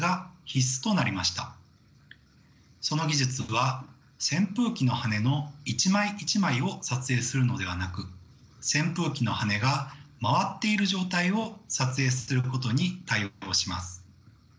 その技術は扇風機の羽根の一枚一枚を撮影するのではなく扇風機の羽根が回っている状態を撮影することに対応します。